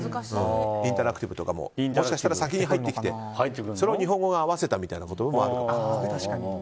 インタラクティブとかももしかしたら先に入ってきてそれを日本語が合わせたみたいな言葉もあるかもですね。